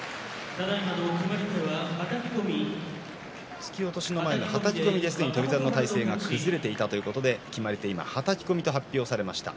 突き落としの前のはたき込みですでに翔猿の体勢が崩れていたということで決まり手は、はたき込みと発表されました。